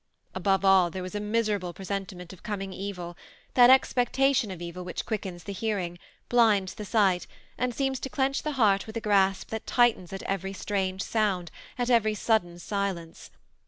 Above all, there was a miserable presentiment of coming evU — that expectation of ill which quickens the hearing, blinds the sight, and seems to clench the heart with a grasp, that tightens at every strange sound, at every sudden silence.